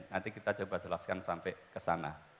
nanti kita coba jelaskan sampai ke sana